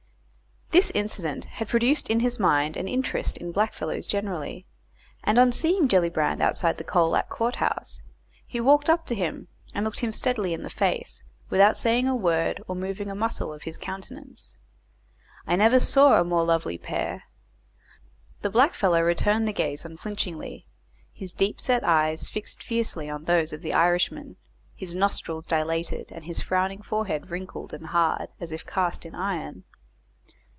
This incident had produced in his mind an interest in blackfellows generally, and on seeing Gellibrand outside the Colac courthouse, he walked up to him, and looked him steadily in the face, without saying a word or moving a muscle of his countenance. I never saw a more lovely pair. The black fellow returned the gaze unflinchingly, his deep set eyes fixed fiercely on those of the Irishman, his nostrils dilated, and his frowning forehead wrinkled and hard, as if cast in iron.